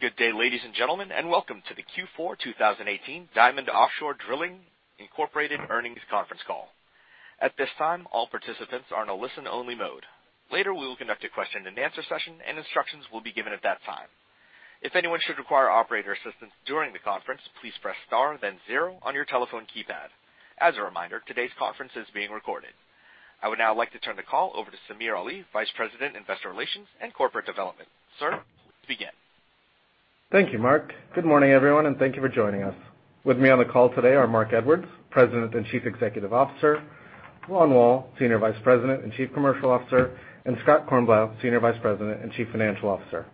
Good day, ladies and gentlemen, and welcome to the Q4 2018 Diamond Offshore Drilling, Inc. earnings conference call. At this time, all participants are in a listen-only mode. Later, we will conduct a question and answer session and instructions will be given at that time. If anyone should require operator assistance during the conference, please press star then zero on your telephone keypad. As a reminder, today's conference is being recorded. I would now like to turn the call over to Samir Ali, Vice President, Investor Relations and Corporate Development. Sir, begin. Thank you, Marc. Good morning, everyone, and thank you for joining us. With me on the call today are Marc Edwards, President and Chief Executive Officer, Ronald Woll, Senior Vice President and Chief Commercial Officer, and Scott Kornblau, Senior Vice President and Chief Financial Officer.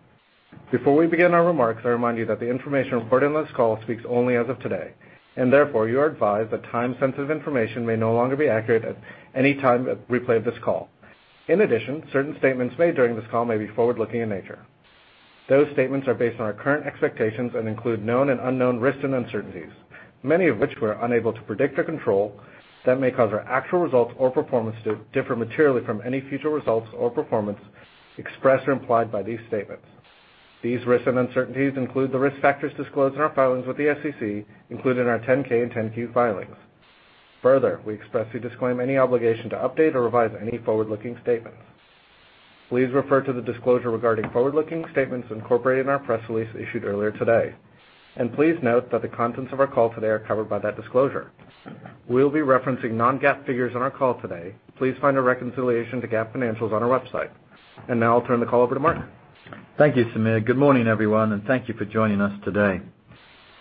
Before we begin our remarks, I remind you that the information reported in this call speaks only as of today, Therefore, you are advised that time-sensitive information may no longer be accurate at any time we replay this call. In addition, certain statements made during this call may be forward-looking in nature. Those statements are based on our current expectations and include known and unknown risks and uncertainties, many of which we are unable to predict or control that may cause our actual results or performance to differ materially from any future results or performance expressed or implied by these statements. These risks and uncertainties include the risk factors disclosed in our filings with the SEC, including our 10-K and 10-Q filings. Further, we expressly disclaim any obligation to update or revise any forward-looking statement. Please refer to the disclosure regarding forward-looking statements incorporated in our press release issued earlier today, please note that the contents of our call today are covered by that disclosure. We'll be referencing non-GAAP figures on our call today. Please find a reconciliation to GAAP financials on our website. Now I'll turn the call over to Marc. Thank you, Samir. Good morning, everyone, thank you for joining us today.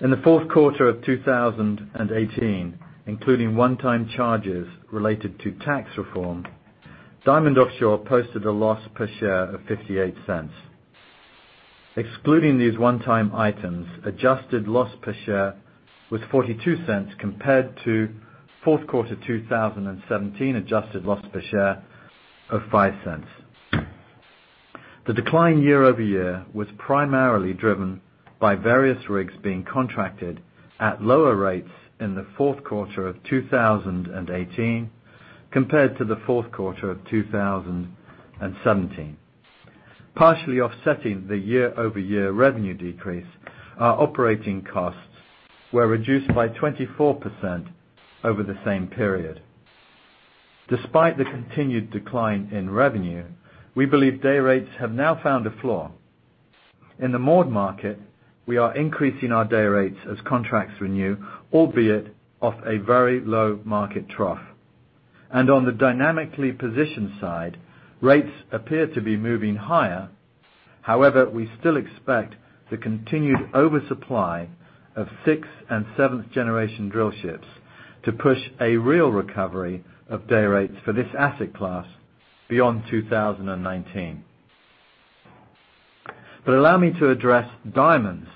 In the fourth quarter of 2018, including one-time charges related to tax reform, Diamond Offshore posted a loss per share of $0.58. Excluding these one-time items, adjusted loss per share was $0.42 compared to fourth quarter 2017 adjusted loss per share of $0.05. The decline year-over-year was primarily driven by various rigs being contracted at lower rates in the fourth quarter of 2018 compared to the fourth quarter of 2017. Partially offsetting the year-over-year revenue decrease, our operating costs were reduced by 24% over the same period. Despite the continued decline in revenue, we believe day rates have now found a floor. In the moored market, we are increasing our day rates as contracts renew, albeit off a very low market trough. On the dynamically positioned side, rates appear to be moving higher. We still expect the continued oversupply of sixth- and seventh-generation drillships to push a real recovery of day rates for this asset class beyond 2019. Allow me to address Diamond's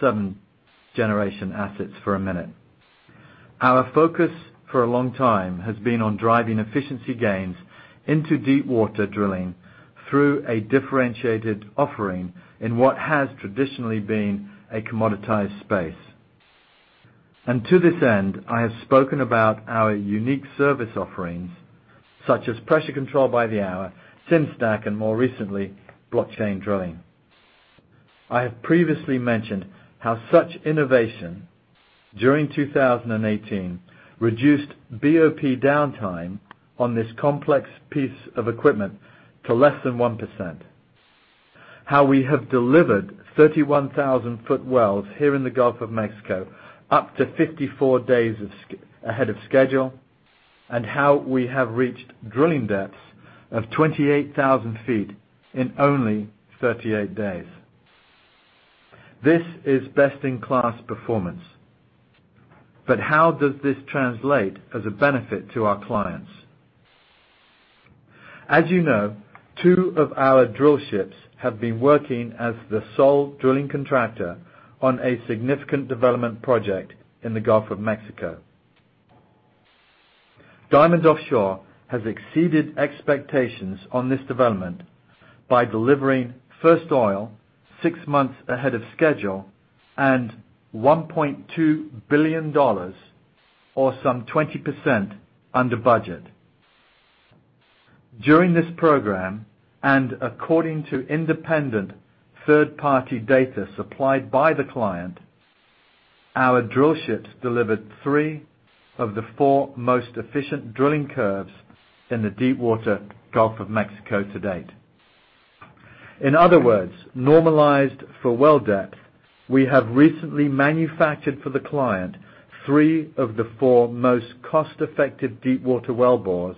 seventh-generation assets for a minute. Our focus for a long time has been on driving efficiency gains into deepwater drilling through a differentiated offering in what has traditionally been a commoditized space. To this end, I have spoken about our unique service offerings, such as Pressure Control by the Hour, Sim-Stack, and more recently, Blockchain Drilling. I have previously mentioned how such innovation during 2018 reduced BOP downtime on this complex piece of equipment to less than 1%, how we have delivered 31,000-foot wells here in the Gulf of Mexico up to 54 days ahead of schedule, and how we have reached drilling depths of 28,000 feet in only 38 days. This is best-in-class performance. How does this translate as a benefit to our clients? As you know, two of our drillships have been working as the sole drilling contractor on a significant development project in the Gulf of Mexico. Diamond Offshore has exceeded expectations on this development by delivering first oil 6 months ahead of schedule and $1.2 billion, or some 20% under budget. During this program, according to independent third-party data supplied by the client, our drillships delivered three of the four most efficient drilling curves in the deepwater Gulf of Mexico to date. In other words, normalized for well depth, we have recently manufactured for the client three of the four most cost-effective deepwater well bores,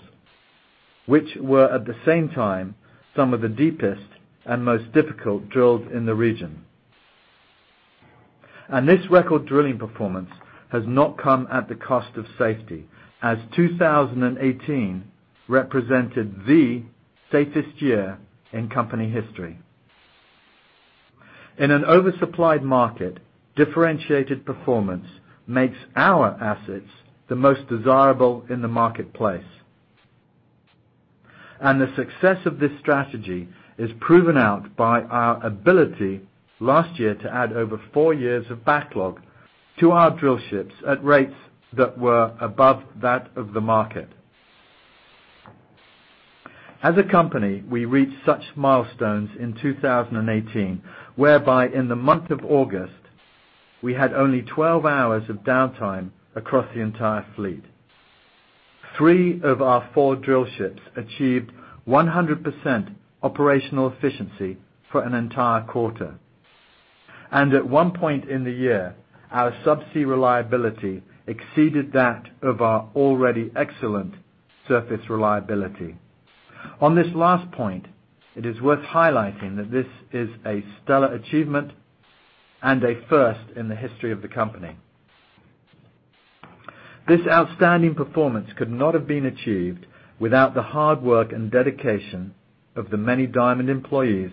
which were, at the same time, some of the deepest and most difficult drilled in the region. This record drilling performance has not come at the cost of safety, as 2018 represented the safest year in company history. In an oversupplied market, differentiated performance makes our assets the most desirable in the marketplace. The success of this strategy is proven out by our ability last year to add over four years of backlog to our drillships at rates that were above that of the market. As a company, we reached such milestones in 2018, whereby in the month of August, we had only 12 hours of downtime across the entire fleet. Three of our four drillships achieved 100% operational efficiency for an entire quarter. At one point in the year, our subsea reliability exceeded that of our already excellent surface reliability. On this last point, it is worth highlighting that this is a stellar achievement and a first in the history of the company. This outstanding performance could not have been achieved without the hard work and dedication of the many Diamond employees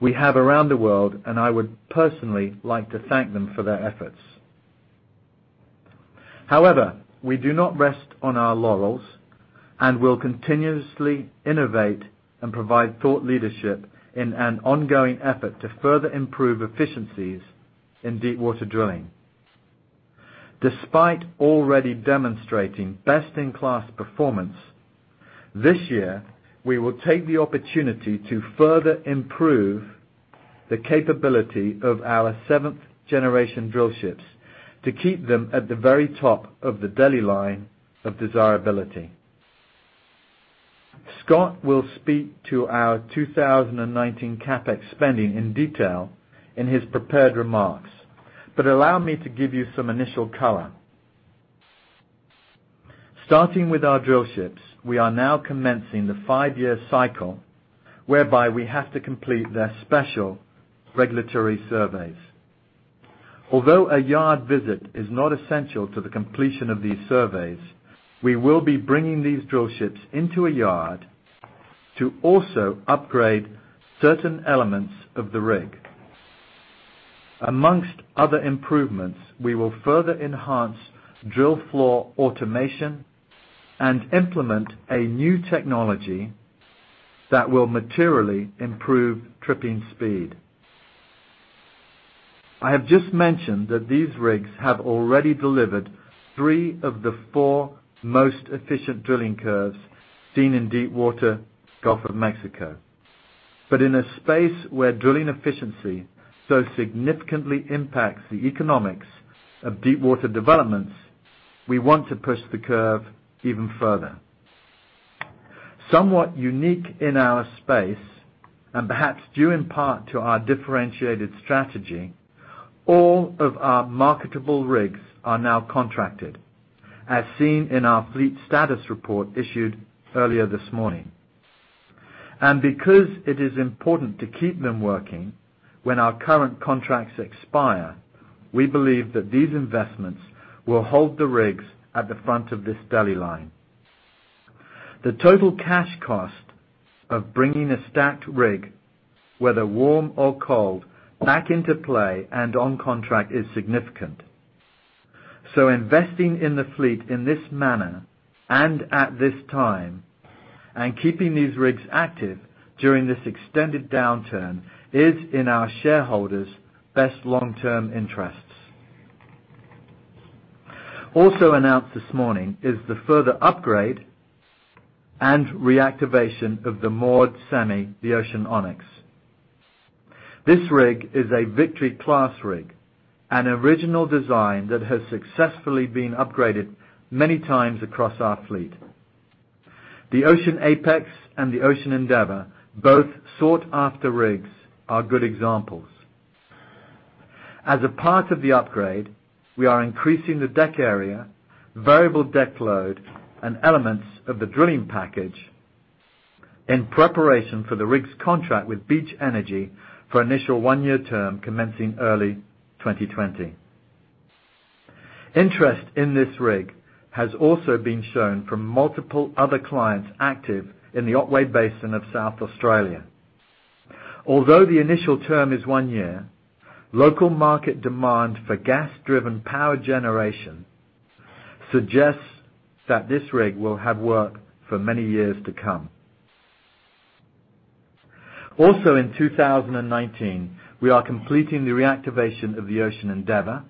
we have around the world. I would personally like to thank them for their efforts. We do not rest on our laurels and will continuously innovate and provide thought leadership in an ongoing effort to further improve efficiencies in deepwater drilling. Despite already demonstrating best-in-class performance, this year, we will take the opportunity to further improve the capability of our seventh-generation drillships to keep them at the very top of the deli line of desirability. Scott will speak to our 2019 CapEx spending in detail in his prepared remarks, allow me to give you some initial color. Starting with our drillships, we are now commencing the five-year cycle whereby we have to complete their special regulatory surveys. Although a yard visit is not essential to the completion of these surveys, we will be bringing these drillships into a yard to also upgrade certain elements of the rig. Amongst other improvements, we will further enhance drill floor automation and implement a new technology that will materially improve tripping speed. I have just mentioned that these rigs have already delivered three of the four most efficient drilling curves seen in Deepwater Gulf of Mexico. In a space where drilling efficiency so significantly impacts the economics of deepwater developments, we want to push the curve even further. Somewhat unique in our space, and perhaps due in part to our differentiated strategy, all of our marketable rigs are now contracted, as seen in our fleet status report issued earlier this morning. Because it is important to keep them working when our current contracts expire, we believe that these investments will hold the rigs at the front of this deli line. The total cash cost of bringing a stacked rig, whether warm or cold, back into play and on contract is significant. Investing in the fleet in this manner and at this time, and keeping these rigs active during this extended downturn is in our shareholders' best long-term interests. Also announced this morning is the further upgrade and reactivation of the moored semi, the Ocean Onyx. This rig is a Victory-class rig, an original design that has successfully been upgraded many times across our fleet. The Ocean Apex and the Ocean Endeavor, both sought-after rigs, are good examples. As a part of the upgrade, we are increasing the deck area, variable deck load, and elements of the drilling package in preparation for the rig's contract with Beach Energy for initial one-year term commencing early 2020. Interest in this rig has also been shown from multiple other clients active in the Otway Basin of South Australia. Although the initial term is one year, local market demand for gas-driven power generation suggests that this rig will have work for many years to come. Also in 2019, we are completing the reactivation of the Ocean Endeavor,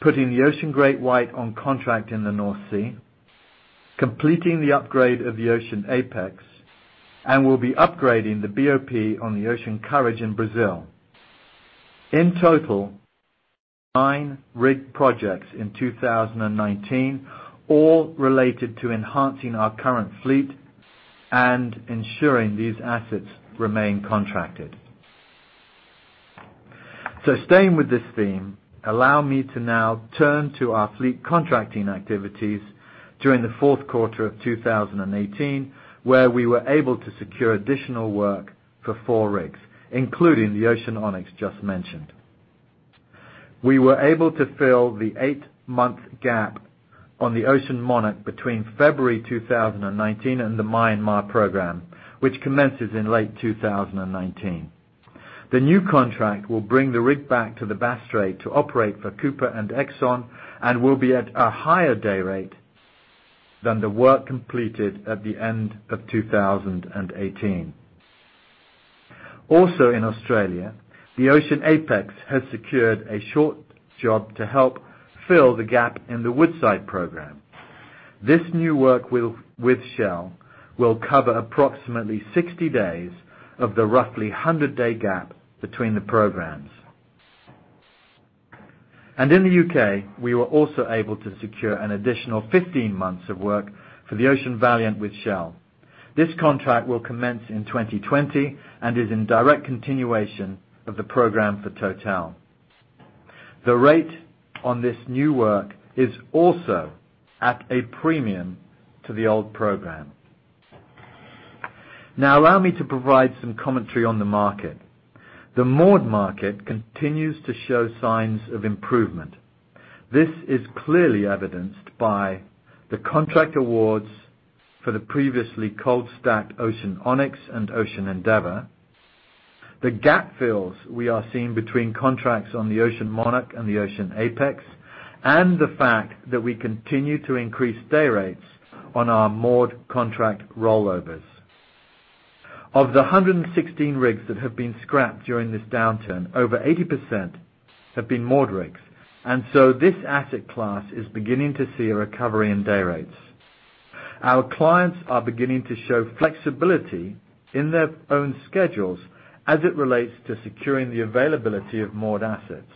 putting the Ocean GreatWhite on contract in the North Sea, completing the upgrade of the Ocean Apex, and will be upgrading the BOP on the Ocean Courage in Brazil. In total, nine rig projects in 2019, all related to enhancing our current fleet and ensuring these assets remain contracted. Staying with this theme, allow me to now turn to our fleet contracting activities during the fourth quarter of 2018, where we were able to secure additional work for four rigs, including the Ocean Onyx just mentioned. We were able to fill the eight-month gap on the Ocean Monarch between February 2019 and the Myanmar program, which commences in late 2019. The new contract will bring the rig back to the Bass Strait to operate for Cooper and Exxon and will be at a higher day rate than the work completed at the end of 2018. Also in Australia, the Ocean Apex has secured a short job to help fill the gap in the Woodside program. This new work with Shell will cover approximately 60 days of the roughly 100-day gap between the programs. In the U.K., we were also able to secure an additional 15 months of work for the Ocean Valiant with Shell. This contract will commence in 2020 and is in direct continuation of the program for Total. The rate on this new work is also at a premium to the old program. Allow me to provide some commentary on the market. The moored market continues to show signs of improvement. This is clearly evidenced by the contract awards for the previously cold stacked Ocean Onyx and Ocean Endeavor, the gap fills we are seeing between contracts on the Ocean Monarch and the Ocean Apex, and the fact that we continue to increase day rates on our moored contract rollovers. Of the 116 rigs that have been scrapped during this downturn, over 80% have been moored rigs, this asset class is beginning to see a recovery in day rates. Our clients are beginning to show flexibility in their own schedules as it relates to securing the availability of moored assets.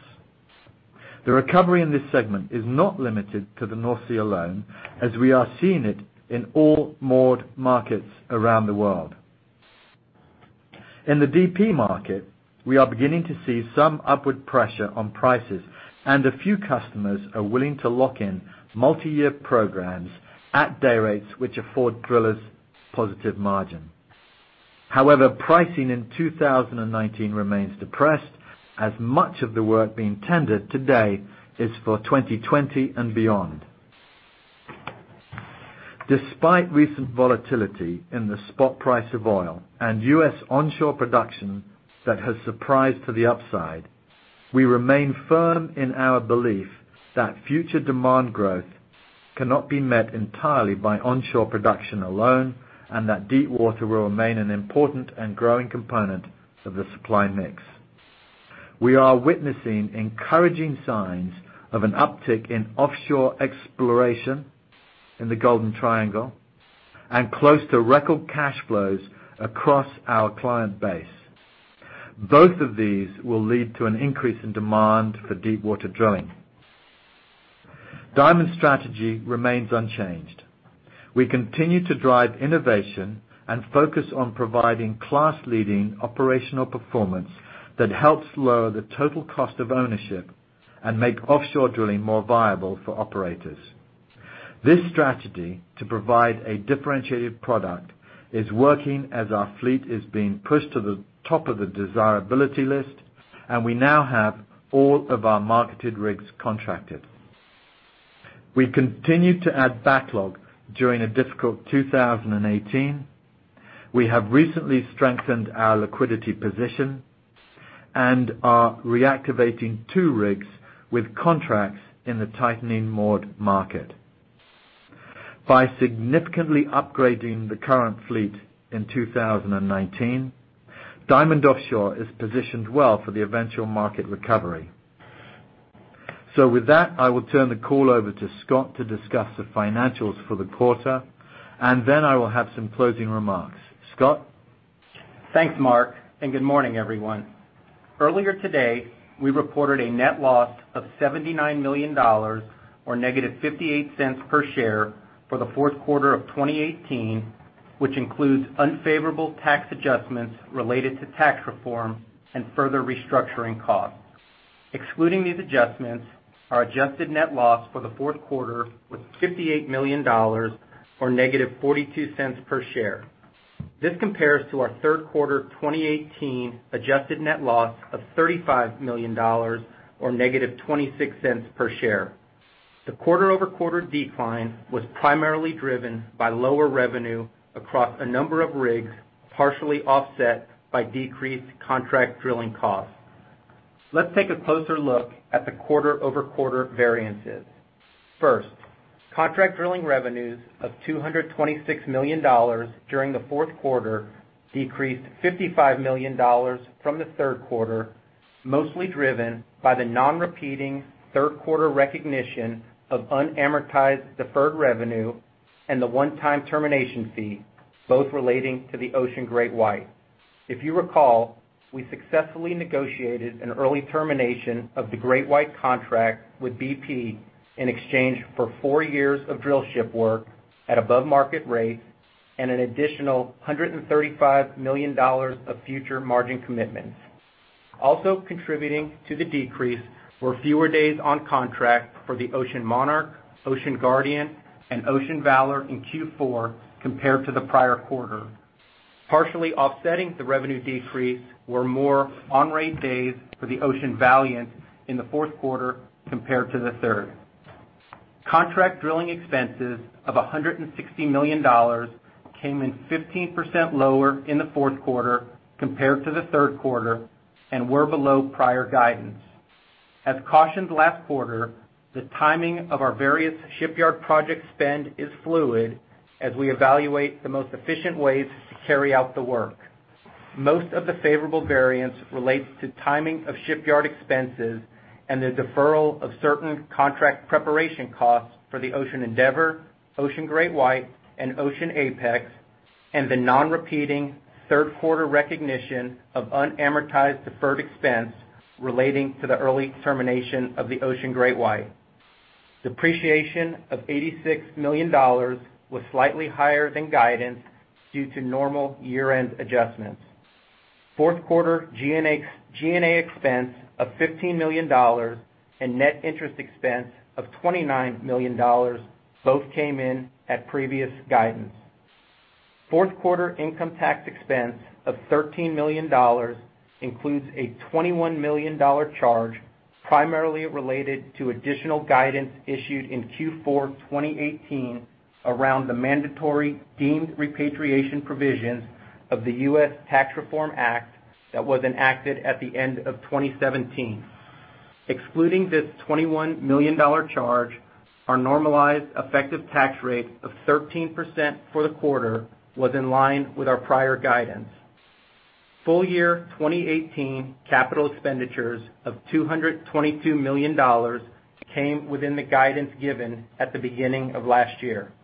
The recovery in this segment is not limited to the North Sea alone, as we are seeing it in all moored markets around the world. In the DP market, we are beginning to see some upward pressure on prices, and a few customers are willing to lock in multi-year programs at day rates which afford drillers positive margin. However, pricing in 2019 remains depressed, as much of the work being tendered today is for 2020 and beyond. Despite recent volatility in the spot price of oil and U.S. onshore production that has surprised to the upside, we remain firm in our belief that future demand growth cannot be met entirely by onshore production alone, and that deepwater will remain an important and growing component of the supply mix. We are witnessing encouraging signs of an uptick in offshore exploration in the Golden Triangle and close to record cash flows across our client base. Both of these will lead to an increase in demand for deepwater drilling. Diamond strategy remains unchanged. We continue to drive innovation and focus on providing class-leading operational performance that helps lower the total cost of ownership and make offshore drilling more viable for operators. This strategy to provide a differentiated product is working as our fleet is being pushed to the top of the desirability list, we now have all of our marketed rigs contracted. We continued to add backlog during a difficult 2018. We have recently strengthened our liquidity position and are reactivating two rigs with contracts in the tightening moored market. By significantly upgrading the current fleet in 2019, Diamond Offshore is positioned well for the eventual market recovery. With that, I will turn the call over to Scott to discuss the financials for the quarter, then I will have some closing remarks. Scott? Thanks, Marc, good morning, everyone. Earlier today, we reported a net loss of $79 million, or negative $0.58 per share for the fourth quarter of 2018, which includes unfavorable tax adjustments related to tax reform and further restructuring costs. Excluding these adjustments, our adjusted net loss for the fourth quarter was $58 million or negative $0.42 per share. This compares to our third quarter 2018 adjusted net loss of $35 million or negative $0.26 per share. The quarter-over-quarter decline was primarily driven by lower revenue across a number of rigs, partially offset by decreased contract drilling costs. Let's take a closer look at the quarter-over-quarter variances. First, contract drilling revenues of $226 million during the fourth quarter decreased $55 million from the third quarter, mostly driven by the non-repeating third quarter recognition of unamortized deferred revenue and the one-time termination fee, both relating to the Ocean GreatWhite. If you recall, we successfully negotiated an early termination of the GreatWhite contract with BP in exchange for four years of drillship work at above-market rates and an additional $135 million of future margin commitments. Also contributing to the decrease were fewer days on contract for the Ocean Monarch, Ocean Guardian, and Ocean Valor in Q4 compared to the prior quarter. Partially offsetting the revenue decrease were more on-rate days for the Ocean Valiant in the fourth quarter compared to the third. Contract drilling expenses of $160 million came in 15% lower in the fourth quarter compared to the third quarter were below prior guidance. As cautioned last quarter, the timing of our various shipyard project spend is fluid as we evaluate the most efficient ways to carry out the work. Most of the favorable variance relates to timing of shipyard expenses and the deferral of certain contract preparation costs for the Ocean Endeavor, Ocean GreatWhite, and Ocean Apex, and the non-repeating third quarter recognition of unamortized deferred expense relating to the early termination of the Ocean GreatWhite. Depreciation of $86 million was slightly higher than guidance due to normal year-end adjustments. Fourth quarter G&A expense of $15 million and net interest expense of $29 million both came in at previous guidance. Fourth quarter income tax expense of $13 million includes a $21 million charge, primarily related to additional guidance issued in Q4 2018 around the mandatory deemed repatriation provisions of the U.S. Tax Reform Act that was enacted at the end of 2017. Excluding this $21 million charge, our normalized effective tax rate of 13% for the quarter was in line with our prior guidance. Full year 2018 capital expenditures of $222 million came within the guidance given at the beginning of last year.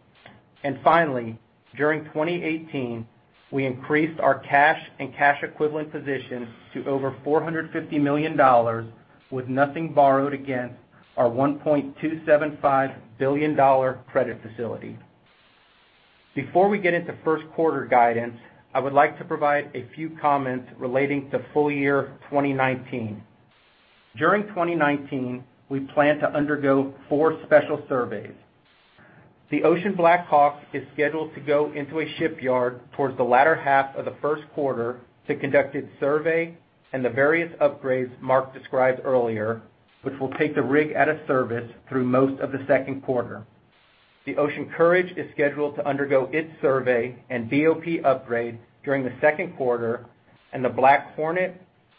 Finally, during 2018, we increased our cash and cash equivalent position to over $450 million, with nothing borrowed against our $1.275 billion credit facility. Before we get into first quarter guidance, I would like to provide a few comments relating to full year 2019. During 2019, we plan to undergo four special surveys. The Ocean BlackHawk is scheduled to go into a shipyard towards the latter half of the first quarter to conduct its survey and the various upgrades Marc described earlier, which will take the rig out of service through most of the second quarter. The Ocean Courage is scheduled to undergo its survey and BOP upgrade during the second quarter, and the BlackHornet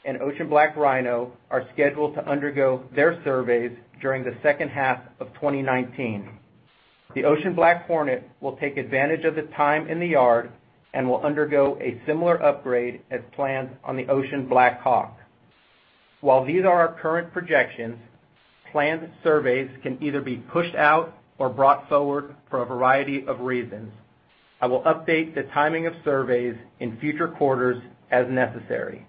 and Ocean BlackRhino are scheduled to undergo their surveys during the second half of 2019. The Ocean BlackHornet will take advantage of the time in the yard and will undergo a similar upgrade as planned on the Ocean BlackHawk. While these are our current projections, planned surveys can either be pushed out or brought forward for a variety of reasons. I will update the timing of surveys in future quarters as necessary.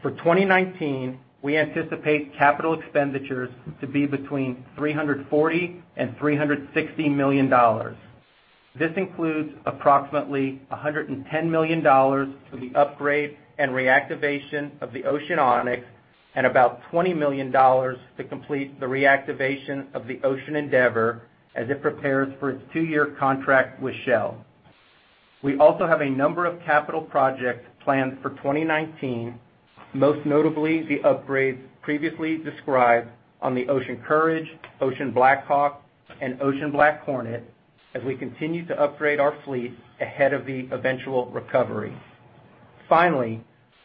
For 2019, we anticipate capital expenditures to be between $340 million-$360 million. This includes approximately $110 million for the upgrade and reactivation of the Ocean Onyx and about $20 million to complete the reactivation of the Ocean Endeavor as it prepares for its two-year contract with Shell. We also have a number of capital projects planned for 2019, most notably, the upgrades previously described on the Ocean Courage, Ocean Ocean BlackHawk, and Ocean BlackHornet as we continue to upgrade our fleet ahead of the eventual recovery. Finally,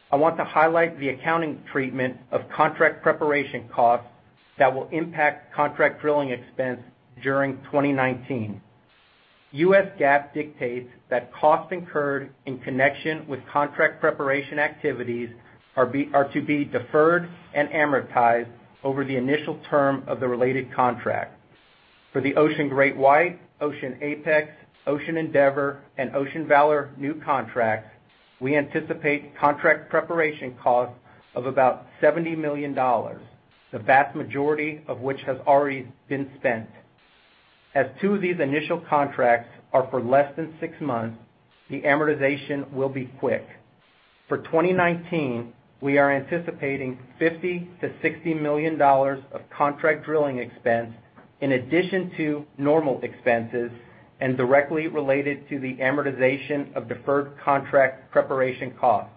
I want to highlight the accounting treatment of contract preparation costs that will impact contract drilling expense during 2019. U.S. GAAP dictates that costs incurred in connection with contract preparation activities are to be deferred and amortized over the initial term of the related contract. For the Ocean GreatWhite, Ocean Apex, Ocean Endeavor, and Ocean Valor new contracts, we anticipate contract preparation costs of about $70 million, the vast majority of which has already been spent. As two of these initial contracts are for less than six months, the amortization will be quick. For 2019, we are anticipating $50 million-$60 million of contract drilling expense in addition to normal expenses and directly related to the amortization of deferred contract preparation costs.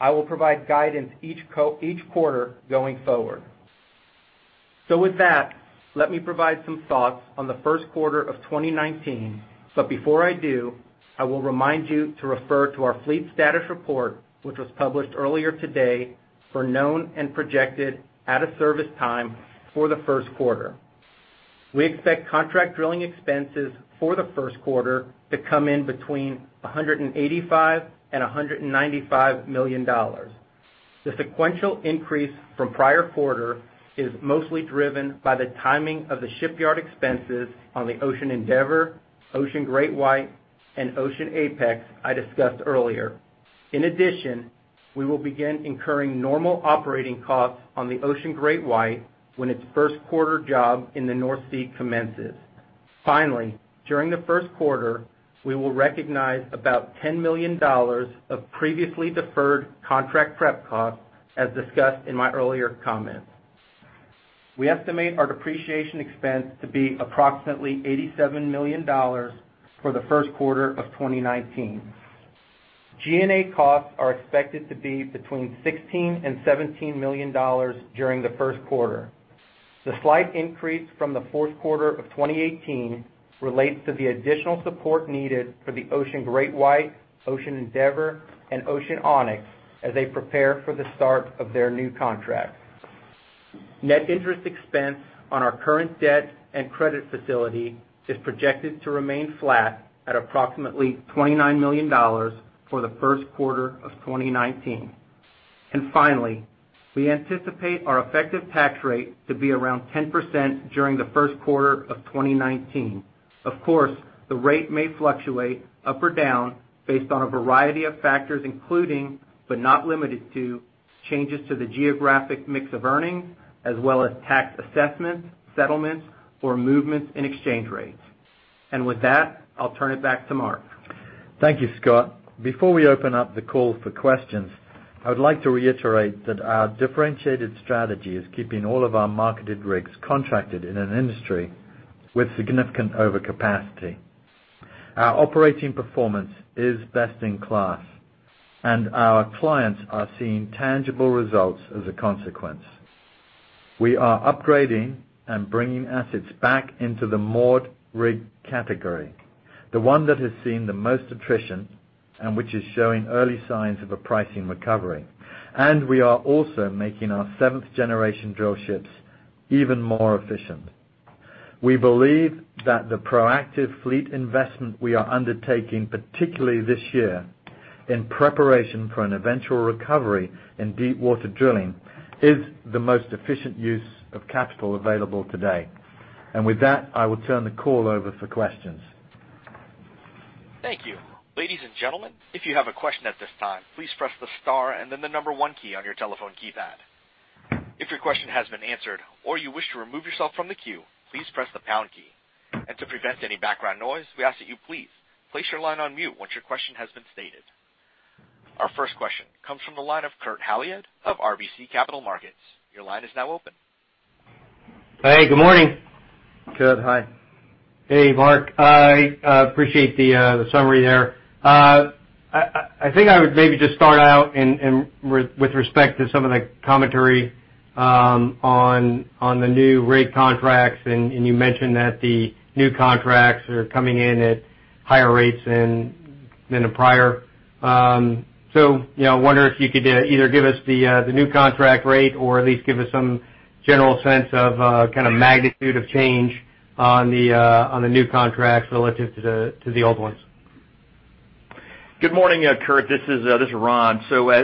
I will provide guidance each quarter going forward. With that, let me provide some thoughts on the first quarter of 2019. Before I do, I will remind you to refer to our fleet status report, which was published earlier today for known and projected out-of-service time for the first quarter. We expect contract drilling expenses for the first quarter to come in between $185 million-$195 million. The sequential increase from prior quarter is mostly driven by the timing of the shipyard expenses on the Ocean Endeavor, Ocean GreatWhite, and Ocean Apex I discussed earlier. In addition, we will begin incurring normal operating costs on the Ocean GreatWhite when its first-quarter job in the North Sea commences. Finally, during the first quarter, we will recognize about $10 million of previously deferred contract prep costs, as discussed in my earlier comments. We estimate our depreciation expense to be approximately $87 million for the first quarter of 2019. G&A costs are expected to be between $16 million-$17 million during the first quarter. The slight increase from the fourth quarter of 2018 relates to the additional support needed for the Ocean GreatWhite, Ocean Endeavor, and Ocean Onyx as they prepare for the start of their new contract. Net interest expense on our current debt and credit facility is projected to remain flat at approximately $29 million for the first quarter of 2019. Finally, we anticipate our effective tax rate to be around 10% during the first quarter of 2019. Of course, the rate may fluctuate up or down based on a variety of factors, including, but not limited to, changes to the geographic mix of earnings as well as tax assessments, settlements, or movements in exchange rates. With that, I'll turn it back to Marc. Thank you, Scott. Before we open up the call for questions, I would like to reiterate that our differentiated strategy is keeping all of our marketed rigs contracted in an industry with significant overcapacity. Our operating performance is best in class, and our clients are seeing tangible results as a consequence. We are upgrading and bringing assets back into the moored rig category, the one that has seen the most attrition and which is showing early signs of a pricing recovery. We are also making our seventh generation drillships even more efficient. We believe that the proactive fleet investment we are undertaking, particularly this year, in preparation for an eventual recovery in deepwater drilling, is the most efficient use of capital available today. With that, I will turn the call over for questions. Thank you. Ladies and gentlemen, if you have a question at this time, please press the star and then the number one key on your telephone keypad. If your question has been answered or you wish to remove yourself from the queue, please press the pound key. To prevent any background noise, we ask that you please place your line on mute once your question has been stated. Our first question comes from the line of Kurt Hallead of RBC Capital Markets. Your line is now open. Hey, good morning. Kurt, hi. Hey, Marc. I appreciate the summary there. I think I would maybe just start out with respect to some of the commentary on the new rate contracts. You mentioned that the new contracts are coming in at higher rates than the prior. I wonder if you could either give us the new contract rate or at least give us some general sense of kind of magnitude of change on the new contracts relative to the old ones. Good morning, Kurt. This is Ron.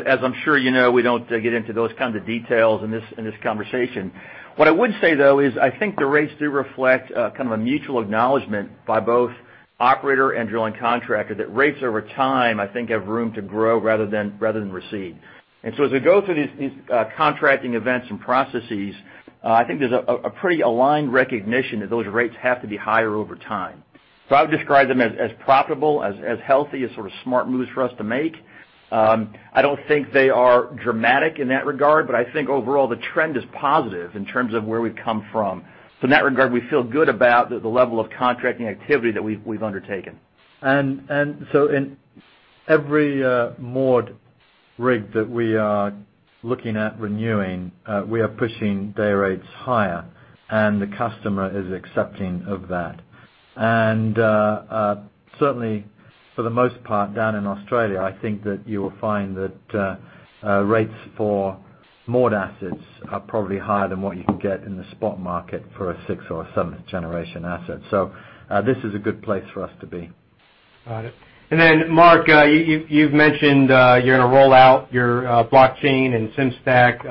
As I'm sure you know, we don't get into those kinds of details in this conversation. What I would say, though, is I think the rates do reflect a mutual acknowledgment by both operator and drilling contractor that rates over time, I think, have room to grow rather than recede. As we go through these contracting events and processes, I think there's a pretty aligned recognition that those rates have to be higher over time. I would describe them as profitable, as healthy, as sort of smart moves for us to make. I don't think they are dramatic in that regard, but I think overall the trend is positive in terms of where we've come from. In that regard, we feel good about the level of contracting activity that we've undertaken. In every mid-water rig that we are looking at renewing, we are pushing day rates higher, and the customer is accepting of that. Certainly, for the most part, down in Australia, I think that you will find that rates for mid-water assets are probably higher than what you can get in the spot market for a six or a seventh generation asset. This is a good place for us to be. Got it. Marc, you've mentioned you're gonna roll out your blockchain and Sim-Stack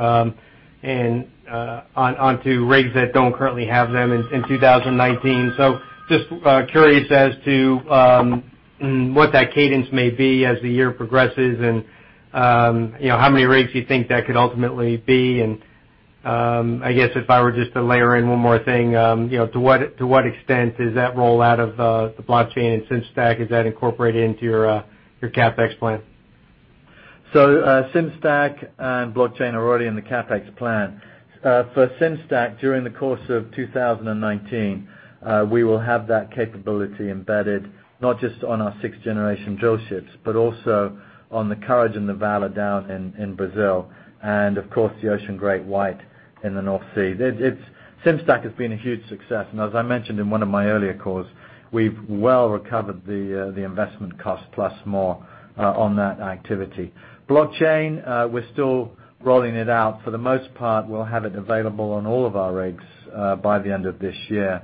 onto rigs that don't currently have them in 2019. Just curious as to what that cadence may be as the year progresses and how many rigs you think that could ultimately be. I guess if I were just to layer in one more thing, to what extent is that rollout of the blockchain and Sim-Stack, is that incorporated into your CapEx plan? Sim-Stack and blockchain are already in the CapEx plan. For Sim-Stack, during the course of 2019, we will have that capability embedded not just on our sixth-generation drillships, but also on the Courage and the Valor down in Brazil, and of course, the Ocean GreatWhite in the North Sea. Sim-Stack has been a huge success. As I mentioned in one of my earlier calls, we've well recovered the investment cost plus more on that activity. Blockchain, we're still rolling it out. For the most part, we'll have it available on all of our rigs by the end of this year.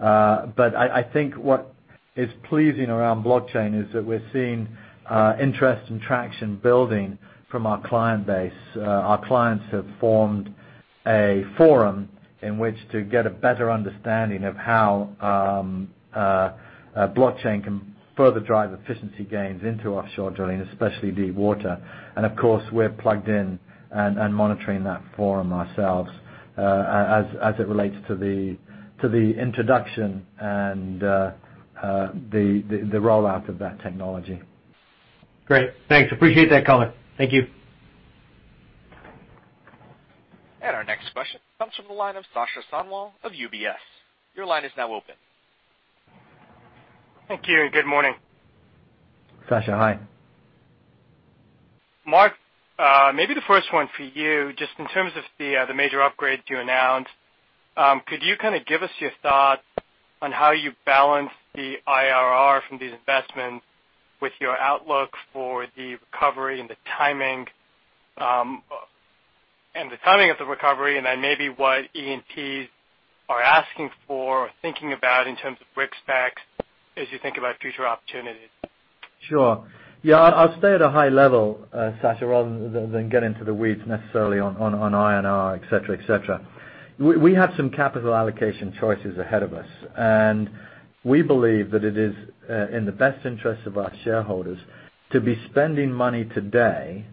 I think what is pleasing around blockchain is that we're seeing interest and traction building from our client base. Our clients have formed a forum in which to get a better understanding of how blockchain can further drive efficiency gains into offshore drilling, especially deepwater. Of course, we're plugged in and monitoring that forum ourselves as it relates to the introduction and the rollout of that technology. Great. Thanks. Appreciate that color. Thank you. Our next question comes from the line of Sasha Sanwal of UBS. Your line is now open. Thank you, good morning. Sasha, hi. Marc, maybe the first one for you, just in terms of the major upgrade you announced. Could you kind of give us your thoughts on how you balance the IRR from these investments with your outlook for the recovery and the timing of the recovery, and then maybe what E&Ps are asking for or thinking about in terms of rig specs as you think about future opportunities? Sure. Yeah, I'll stay at a high level, Sasha Sanwal, rather than get into the weeds necessarily on IRR, et cetera. We have some capital allocation choices ahead of us. We believe that it is in the best interest of our shareholders to be spending money today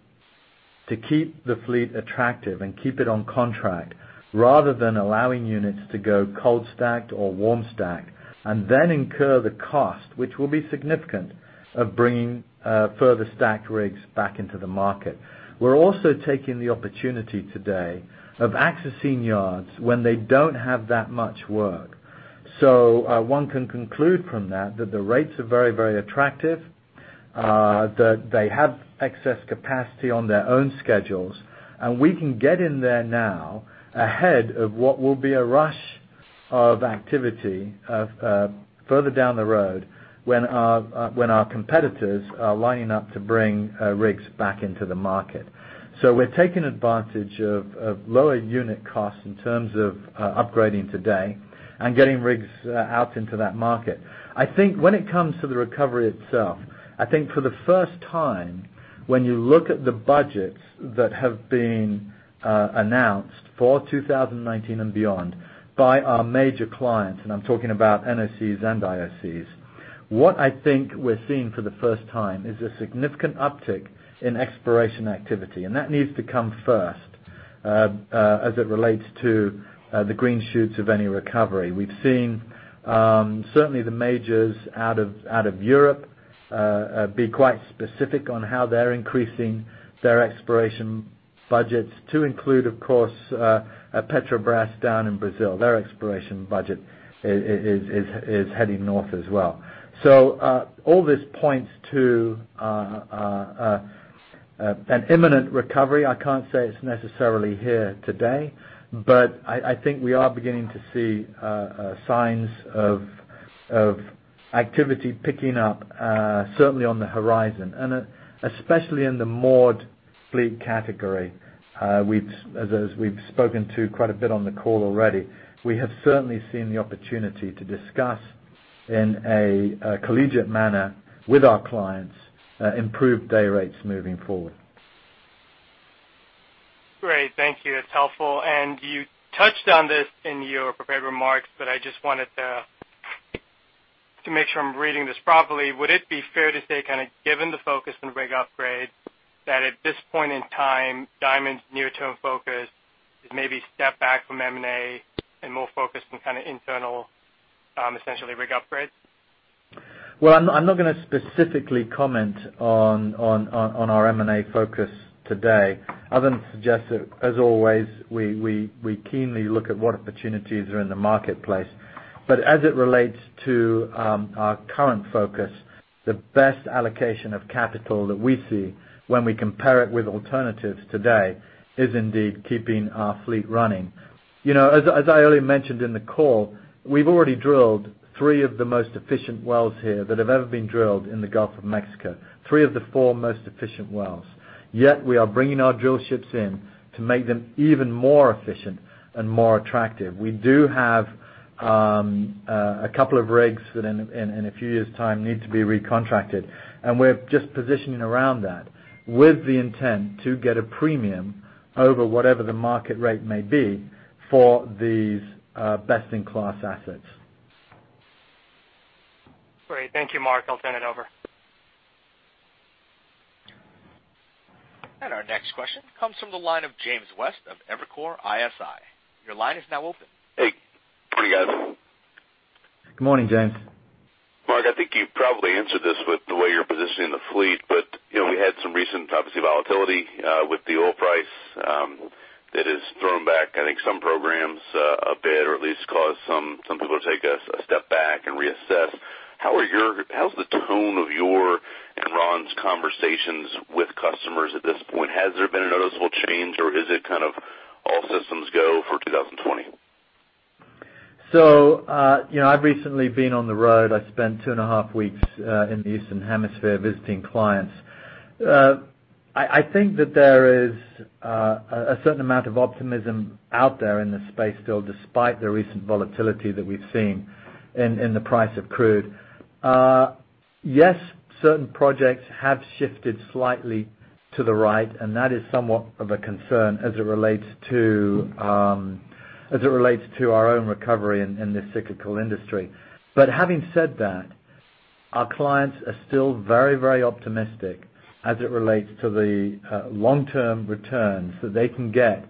to keep the fleet attractive and keep it on contract rather than allowing units to go cold stacked or warm stacked and then incur the cost, which will be significant, of bringing further stacked rigs back into the market. We're also taking the opportunity today of accessing yards when they don't have that much work. One can conclude from that the rates are very, very attractive, that they have excess capacity on their own schedules, and we can get in there now ahead of what will be a rush of activity further down the road when our competitors are lining up to bring rigs back into the market. We're taking advantage of lower unit costs in terms of upgrading today and getting rigs out into that market. I think when it comes to the recovery itself, I think for the first time, when you look at the budgets that have been announced for 2019 and beyond by our major clients, and I'm talking about NOCs and IOCs, what I think we're seeing for the first time is a significant uptick in exploration activity. That needs to come first as it relates to the green shoots of any recovery. We've seen certainly the majors out of Europe be quite specific on how they're increasing their exploration budgets to include, of course, Petrobras down in Brazil. Their exploration budget is heading north as well. All this points to an imminent recovery. I can't say it's necessarily here today. I think we are beginning to see signs of activity picking up, certainly on the horizon, and especially in the moored fleet category. As we've spoken to quite a bit on the call already. We have certainly seen the opportunity to discuss in a collegiate manner with our clients, improved day rates moving forward. Great. Thank you. It's helpful. You touched on this in your prepared remarks, I just wanted to make sure I'm reading this properly. Would it be fair to say kind of given the focus on rig upgrade, that at this point in time, Diamond's near-term focus is maybe step back from M&A and more focused on kind of internal, essentially rig upgrades? Well, I'm not going to specifically comment on our M&A focus today other than to suggest that, as always, we keenly look at what opportunities are in the marketplace. As it relates to our current focus, the best allocation of capital that we see when we compare it with alternatives today is indeed keeping our fleet running. As I earlier mentioned in the call, we've already drilled three of the most efficient wells here that have ever been drilled in the Gulf of Mexico, three of the four most efficient wells. Yet we are bringing our drillships in to make them even more efficient and more attractive. We do have a couple of rigs that in a few years' time need to be recontracted, we're just positioning around that with the intent to get a premium over whatever the market rate may be for these best-in-class assets. Great. Thank you, Marc. I'll turn it over. Our next question comes from the line of James West of Evercore ISI. Your line is now open. Hey. Morning, guys. Good morning, James. Marc, I think you probably answered this with the way you're positioning the fleet. We had some recent, obviously, volatility with the oil price that has thrown back, I think, some programs a bit, or at least caused some people to take a step back and reassess. How's the tone of your and Ronald's conversations with customers at this point? Has there been a noticeable change or is it kind of all systems go for 2020? I've recently been on the road. I spent two and a half weeks in the Eastern Hemisphere visiting clients. I think that there is a certain amount of optimism out there in this space still, despite the recent volatility that we've seen in the price of crude. Yes, certain projects have shifted slightly to the right, and that is somewhat of a concern as it relates to our own recovery in this cyclical industry. Having said that, our clients are still very, very optimistic as it relates to the long-term returns that they can get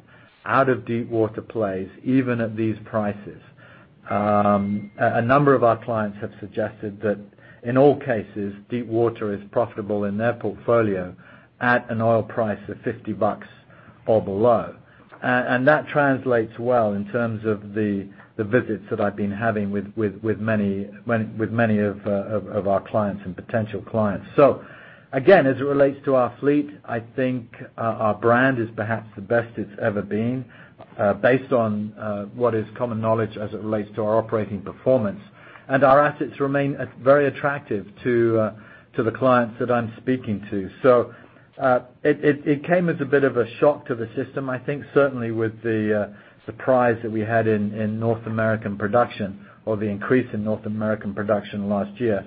out of deep water plays, even at these prices. A number of our clients have suggested that in all cases, deep water is profitable in their portfolio at an oil price of $50 or below. That translates well in terms of the visits that I've been having with many of our clients and potential clients. Again, as it relates to our fleet, I think our brand is perhaps the best it's ever been, based on what is common knowledge as it relates to our operating performance. Our assets remain very attractive to the clients that I'm speaking to. It came as a bit of a shock to the system, I think, certainly with the surprise that we had in North American production or the increase in North American production last year.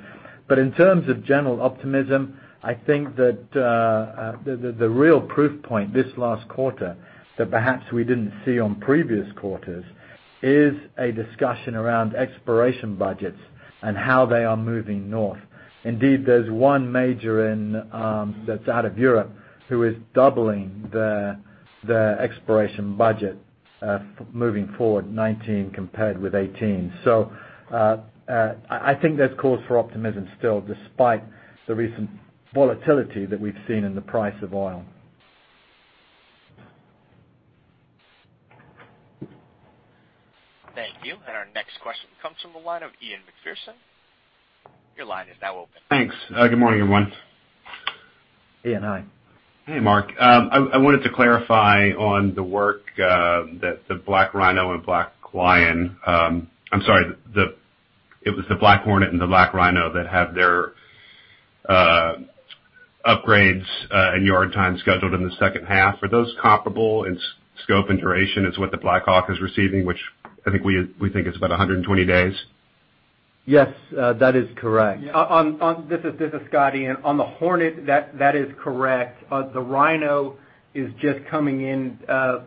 In terms of general optimism, I think that the real proof point this last quarter, that perhaps we didn't see on previous quarters, is a discussion around exploration budgets and how they are moving north. Indeed, there's one major that's out of Europe who is doubling their exploration budget moving forward 2019 compared with 2018. I think there's cause for optimism still despite the recent volatility that we've seen in the price of oil. Thank you. Our next question comes from the line of Ian Macpherson. Your line is now open. Thanks. Good morning, everyone. Ian, hi. Hey, Marc. I wanted to clarify on the work that the Ocean BlackRhino and Ocean BlackHornet-- I'm sorry, it was the Ocean BlackHornet and the Ocean BlackRhino that have their upgrades and yard time scheduled in the second half. Are those comparable in scope and duration as what the Ocean Blackhawk is receiving, which I think is about 120 days? Yes, that is correct. This is Scott, Ian. On the Hornet, that is correct. The Rhino is just coming in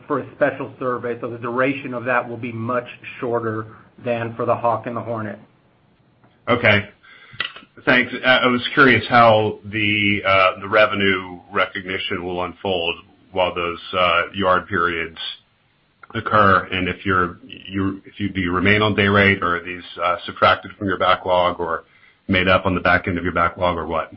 for a Special Survey, so the duration of that will be much shorter than for the Hawk and the Hornet. Okay. Thanks. I was curious how the revenue recognition will unfold while those yard periods occur, and if do you remain on day rate, or are these subtracted from your backlog or made up on the back end of your backlog or what?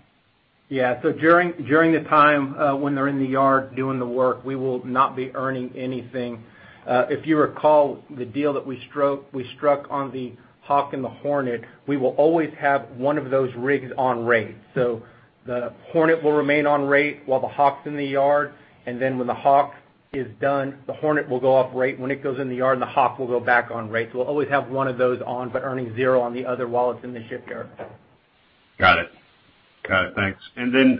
Yeah. During the time when they're in the yard doing the work, we will not be earning anything. If you recall the deal that we struck on the Hawk and the Hornet, we will always have one of those rigs on rate. The Hornet will remain on rate while the Hawk's in the yard, and then when the Hawk is done, the Hornet will go off rate. When it goes in the yard, the Hawk will go back on rate. We'll always have one of those on, but earning zero on the other while it's in the shipyard. Got it. Thanks.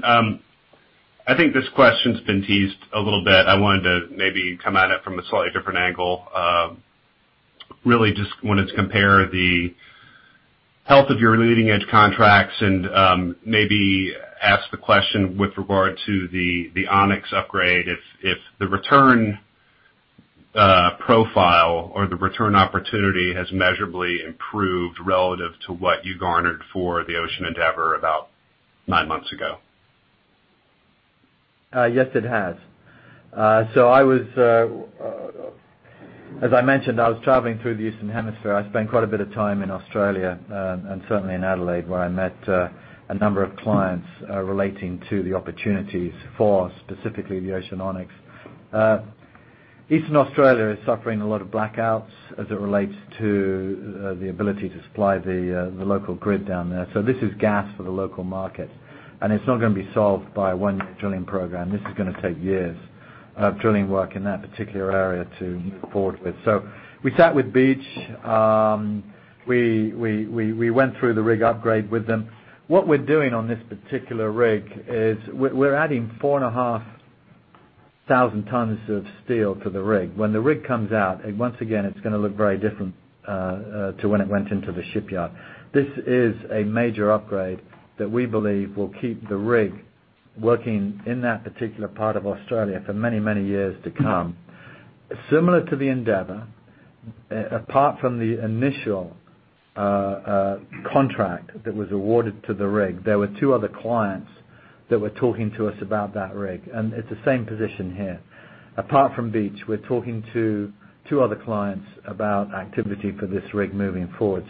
I think this question's been teased a little bit. I wanted to maybe come at it from a slightly different angle. Really just wanted to compare the health of your leading-edge contracts and maybe ask the question with regard to the Onyx upgrade. If the return profile or the return opportunity has measurably improved relative to what you garnered for the Ocean Endeavor about nine months ago? Yes, it has. As I mentioned, I was traveling through the Eastern Hemisphere. I spent quite a bit of time in Australia, and certainly in Adelaide, where I met a number of clients relating to the opportunities for specifically the Ocean Onyx. Eastern Australia is suffering a lot of blackouts as it relates to the ability to supply the local grid down there. This is gas for the local market. It's not going to be solved by a one-year drilling program. This is going to take years of drilling work in that particular area to move forward with. We sat with Beach. We went through the rig upgrade with them. What we're doing on this particular rig is we're adding 4,500 tons of steel to the rig. When the rig comes out, once again, it's going to look very different to when it went into the shipyard. This is a major upgrade that we believe will keep the rig working in that particular part of Australia for many, many years to come. Similar to the Endeavor, apart from the initial contract that was awarded to the rig, there were two other clients that were talking to us about that rig. It's the same position here. Apart from Beach, we're talking to two other clients about activity for this rig moving forward.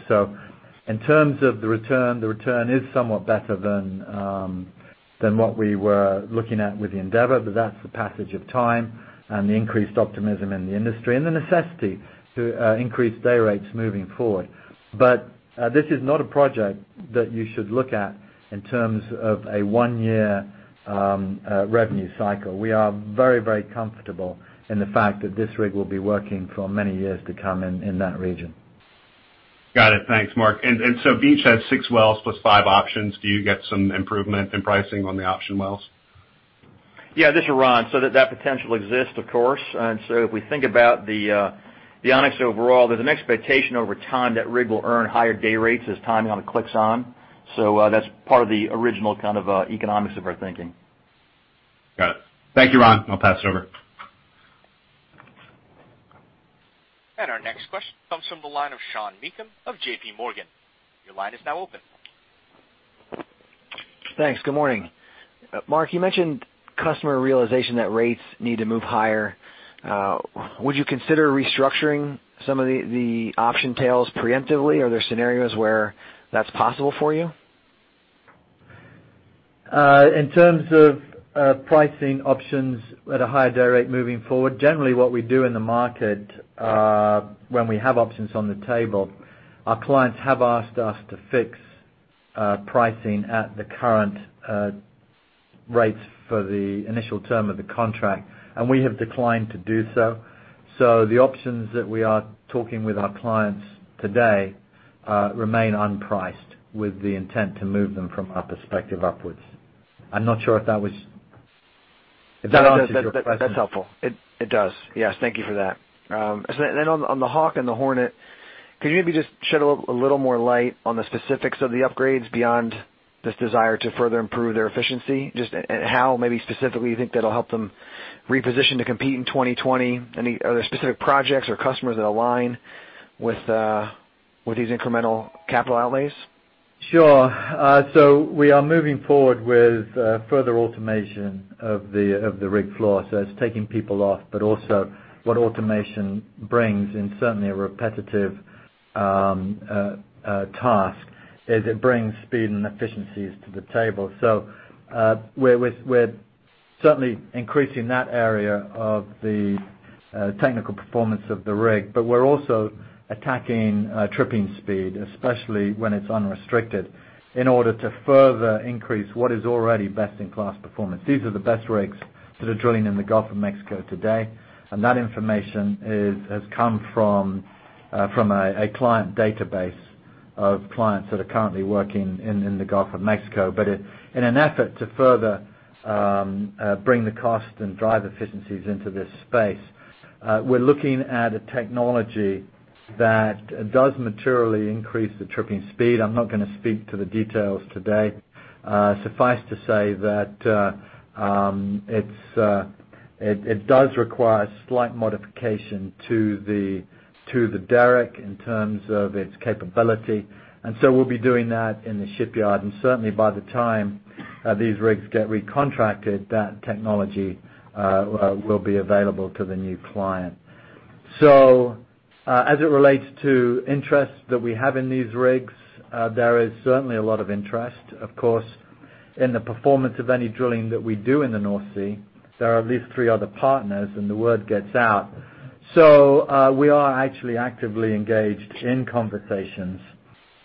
In terms of the return, the return is somewhat better than what we were looking at with the Endeavor, but that's the passage of time and the increased optimism in the industry and the necessity to increase day rates moving forward. This is not a project that you should look at in terms of a one-year revenue cycle. We are very, very comfortable in the fact that this rig will be working for many years to come in that region. Got it. Thanks, Marc. Beach Energy has six wells plus five options. Do you get some improvement in pricing on the option wells? Yeah, this is Ron. That potential exists, of course. If we think about the Onyx overall, there's an expectation over time that rig will earn higher day rates as timing on it clicks on. That's part of the original kind of economics of our thinking. Got it. Thank you, Ron. I'll pass it over. Our next question comes from the line of Sean Meakim of J.P. Morgan. Your line is now open. Thanks. Good morning. Marc, you mentioned customer realization that rates need to move higher. Would you consider restructuring some of the option tails preemptively? Are there scenarios where that's possible for you? In terms of pricing options at a higher day rate moving forward, generally what we do in the market when we have options on the table, our clients have asked us to fix pricing at the current rates for the initial term of the contract, and we have declined to do so. The options that we are talking with our clients today remain unpriced with the intent to move them from our perspective upwards. I'm not sure if that answers your question. That's helpful. It does. Yes. Thank you for that. Then on The Hawk and The Hornet, could you maybe just shed a little more light on the specifics of the upgrades beyond this desire to further improve their efficiency? Just how maybe specifically you think that'll help them reposition to compete in 2020? Are there specific projects or customers that align with these incremental capital outlays? We are moving forward with further automation of the rig floor. It's taking people off, but also what automation brings in certainly a repetitive task is it brings speed and efficiencies to the table. We're certainly increasing that area of the technical performance of the rig, but we're also attacking tripping speed, especially when it's unrestricted, in order to further increase what is already best-in-class performance. These are the best rigs that are drilling in the Gulf of Mexico today, and that information has come from a client database of clients that are currently working in the Gulf of Mexico. In an effort to further bring the cost and drive efficiencies into this space, we're looking at a technology that does materially increase the tripping speed. I'm not going to speak to the details today. Suffice to say that it does require slight modification to the derrick in terms of its capability. We'll be doing that in the shipyard. Certainly by the time these rigs get recontracted, that technology will be available to the new client. As it relates to interest that we have in these rigs, there is certainly a lot of interest. Of course, in the performance of any drilling that we do in the North Sea, there are at least three other partners, and the word gets out. We are actually actively engaged in conversations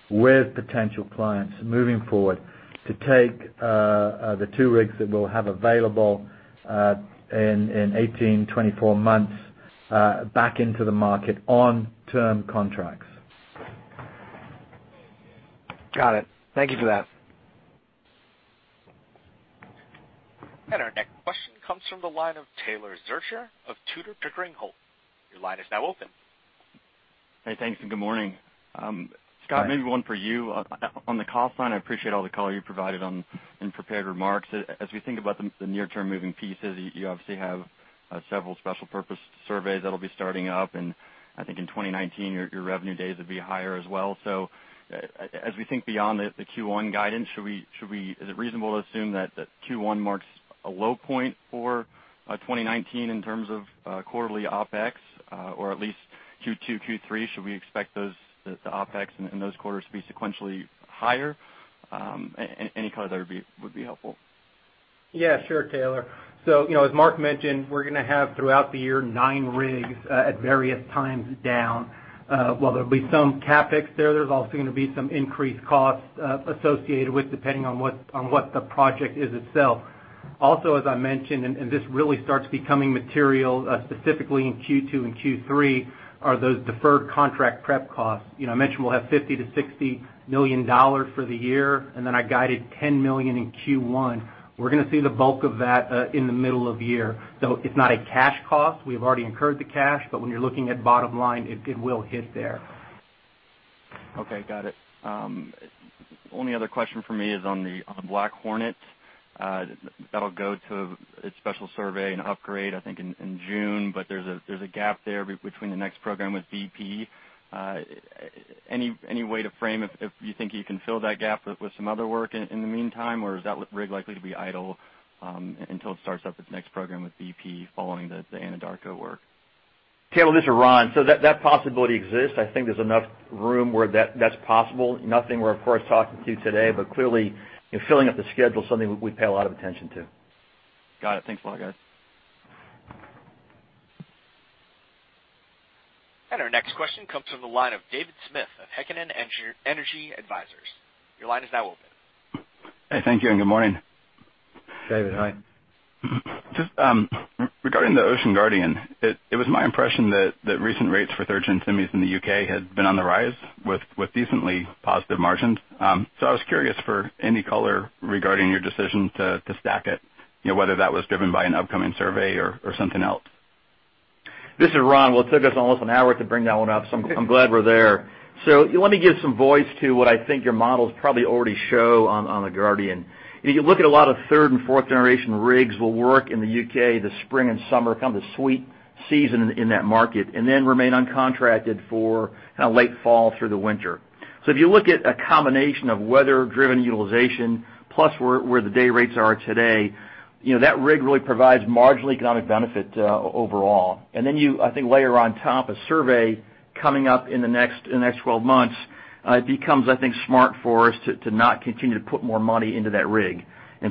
with potential clients moving forward to take the two rigs that we'll have available in 18, 24 months back into the market on term contracts. Got it. Thank you for that. Our next question comes from the line of Taylor Zurcher of Tudor, Pickering, Holt. Your line is now open. Hey, thanks, and good morning. Hi. Scott, maybe one for you. On the cost side, I appreciate all the color you provided in prepared remarks. As we think about the near-term moving pieces, you obviously have several Special Periodic Surveys that'll be starting up, I think in 2019, your revenue days will be higher as well. As we think beyond the Q1 guidance, is it reasonable to assume that Q1 marks a low point for 2019 in terms of quarterly OpEx or at least Q2, Q3? Should we expect the OpEx in those quarters to be sequentially higher? Any color there would be helpful. Yeah, sure, Taylor. As Marc mentioned, we're going to have throughout the year nine rigs at various times down. While there'll be some CapEx there's also going to be some increased costs associated with depending on what the project is itself. Also, as I mentioned, this really starts becoming material, specifically in Q2 and Q3, are those deferred contract prep costs. I mentioned we'll have $50 million-$60 million for the year, then I guided $10 million in Q1. We're going to see the bulk of that in the middle of the year. It's not a cash cost. We've already incurred the cash, when you're looking at bottom line, it will hit there. Okay, got it. Only other question from me is on the Black Hornet. That'll go to its special survey and upgrade, I think, in June, there's a gap there between the next program with BP. Any way to frame if you think you can fill that gap with some other work in the meantime, or is that rig likely to be idle until it starts up its next program with BP following the Anadarko work? Taylor, this is Ron. That possibility exists. I think there's enough room where that's possible. Nothing we're, of course, talking to today, but clearly, filling up the schedule is something we pay a lot of attention to. Got it. Thanks a lot, guys. Our next question comes from the line of David Smith of Heikkinen Energy Advisors. Your line is now open. Hey, thank you, good morning. David, hi. Just regarding the Guardian, it was my impression that recent rates for 3rd-gen semis in the U.K. had been on the rise with decently positive margins. I was curious for any color regarding your decision to stack it, whether that was driven by an upcoming survey or something else. This is Ron. It took us almost an hour to bring that one up, so I'm glad we're there. Let me give some voice to what I think your models probably already show on the Guardian. If you look at a lot of 3rd and 4th-generation rigs will work in the U.K. this spring and summer, kind of the sweet season in that market, and then remain uncontracted for kind of late fall through the winter. If you look at a combination of weather-driven utilization plus where the day rates are today, that rig really provides marginal economic benefit overall. You, I think, layer on top a survey coming up in the next 12 months, it becomes, I think, smart for us to not continue to put more money into that rig.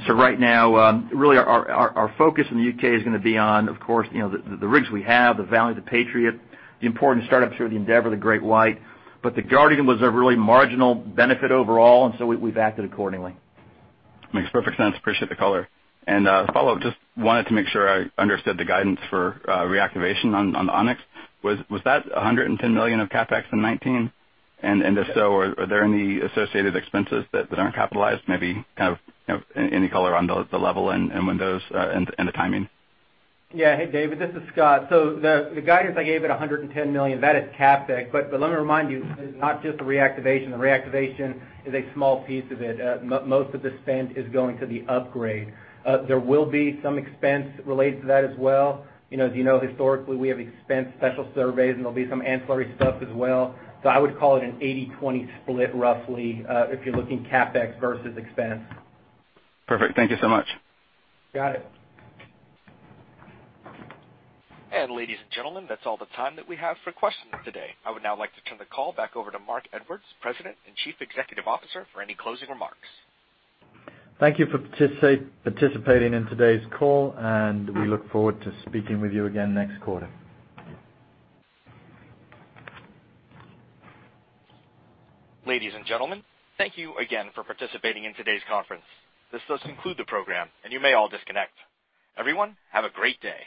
Right now, really our focus in the U.K. is going to be on, of course, the rigs we have, the value of the Ocean Patriot, the important startups here with the Ocean Endeavor, the Ocean GreatWhite. The Guardian was a really marginal benefit overall, and so we've acted accordingly. Makes perfect sense. Appreciate the color. A follow-up, just wanted to make sure I understood the guidance for reactivation on the Onyx. Was that $110 million of CapEx in 2019? If so, are there any associated expenses that aren't capitalized? Maybe kind of any color on the level and when those and the timing? Yeah. Hey, David, this is Scott. The guidance I gave at $110 million, that is CapEx. Let me remind you, it's not just the reactivation. The reactivation is a small piece of it. Most of the spend is going to the upgrade. There will be some expense related to that as well. As you know, historically, we have expensed special surveys, there'll be some ancillary stuff as well. I would call it an 80/20 split, roughly, if you're looking CapEx versus expense. Perfect. Thank you so much. Got it. Ladies and gentlemen, that's all the time that we have for questions today. I would now like to turn the call back over to Marc Edwards, President and Chief Executive Officer, for any closing remarks. Thank you for participating in today's call, and we look forward to speaking with you again next quarter. Ladies and gentlemen, thank you again for participating in today's conference. This does conclude the program, and you may all disconnect. Everyone, have a great day.